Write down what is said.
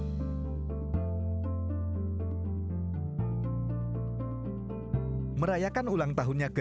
jna merayakan ulang tahunnya ke dua puluh sembilan